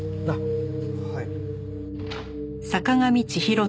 はい。